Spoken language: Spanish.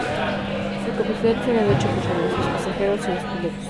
Su capacidad será de ocho personas: seis pasajeros y dos pilotos.